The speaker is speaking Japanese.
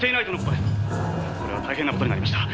「これは大変な事になりました。